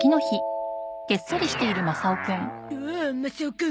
おおマサオくん